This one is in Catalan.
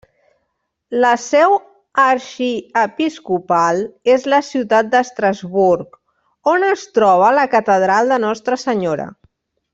La seu arxiepiscopal és la ciutat d'Estrasburg, on es troba la catedral de Nostra Senyora.